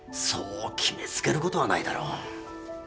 そう決めつけることはないだろう。